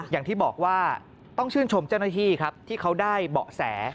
อย่างที่บอกว่าต้องชื่นชมเจ้าหน้าที่ครับที่เขาได้เบาะแส